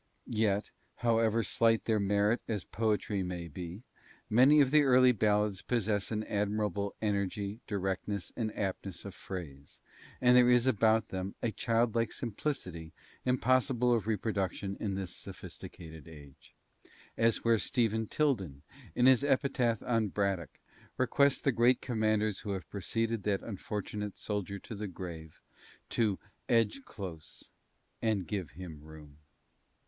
Yet, however slight their merit as poetry may be, many of the early ballads possess an admirable energy, directness, and aptness of phrase, and there is about them a childlike simplicity impossible of reproduction in this sophisticated age as where Stephen Tilden, in his epitaph on Braddock, requests the great commanders who have preceded that unfortunate soldier to the grave to "Edge close and give him room."